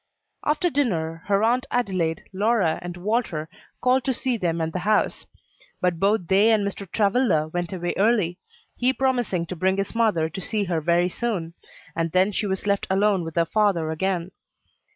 After dinner, her Aunt Adelaide, Lora, and Walter called to see them and the house; but both they and Mr. Travilla went away early he promising to bring his mother to see her very soon and then she was left alone with her father again.